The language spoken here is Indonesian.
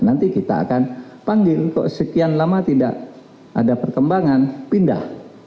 nanti kita akan panggil kok sekian lama tidak ada perkembangan pindah